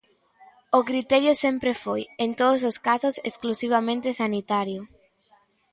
O criterio sempre foi, en todos os casos, exclusivamente sanitario.